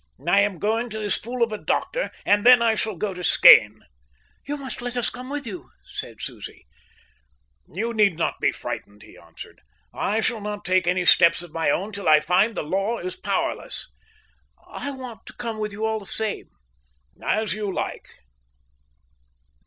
"I am going to this fool of a doctor, and then I shall go to Skene." "You must let us come with you," said Susie. "You need not be frightened," he answered. "I shall not take any steps of my own till I find the law is powerless." "I want to come with you all the same." "As you like."